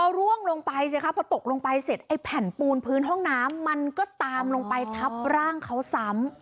ร่วงลงไปสิคะพอตกลงไปเสร็จไอ้แผ่นปูนพื้นห้องน้ำมันก็ตามลงไปทับร่างเขาซ้ำ